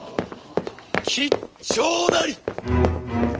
吉兆なり！